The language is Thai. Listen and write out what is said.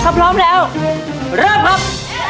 ถ้าพร้อมแล้วเริ่มครับ